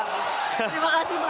terima kasih pak